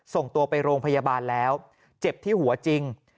ส่งตัวไปโรงพยาบาลแล้วเจ็บที่หัวจริง